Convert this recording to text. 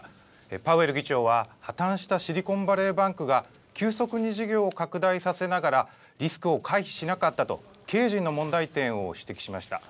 パウエル議長は、破綻したシリコンバレーバンクが、急速に事業を拡大させながら、リスクを回避しなかったと、経営陣の問題点を指摘しました。